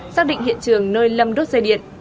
xác định hiện trường nơi lâm đốt dây điện